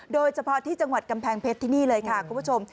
โดยเฉพาะที่จังหวัดกำแพงเพชรที่นี่เลยค่ะคุณผู้ชม